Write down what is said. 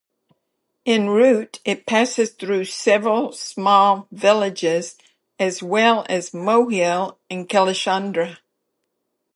En route it passes through several small villages as well as Mohill and Killeshandra.